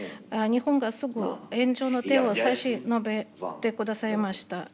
日本がすぐに援助の手を差し伸べてくださいました。